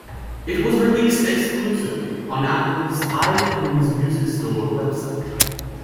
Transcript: It was released exclusively on Apple's iTunes Music Store website.